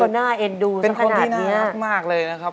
เป็นคนที่น่ารักมากเลยนะครับ